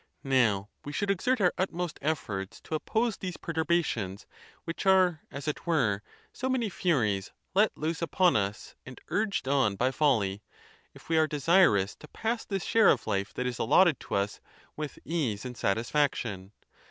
Now we should exert our utmost efforts to oppose these perturbations—which are, as it were, so many furies let loose upon us and urged on by folly—if we are desirous to pass this share of life that is allotted to us with ease and satisfaction.